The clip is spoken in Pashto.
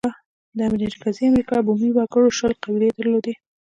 د مرکزي امریکا بومي وګړو شل قبیلې درلودې.